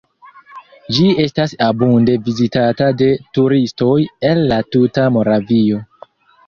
Ĝi estas abunde vizitata de turistoj el la tuta Moravio.